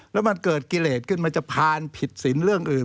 แล้วมันเกิดกิเลสขึ้นมันจะผ่านผิดสินเรื่องอื่น